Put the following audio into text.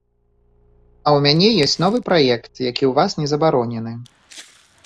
А ў мяне ёсць новы праект, які ў вас не забаронены.